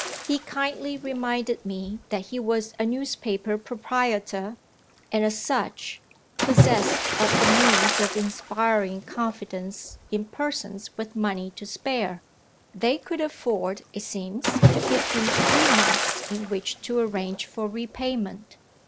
He kindly reminded me that he was a newspaper proprietor, and, as such, possessed of the means of inspiring confidence in persons with money to spare. They could afford, it seems, to give him three months in which to arrange for repayment.